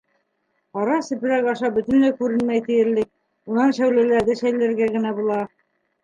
Ҡара сепрәк аша бөтөнләй күренмәй тиерлек, унан шәүләләрҙе шәйләргә генә була.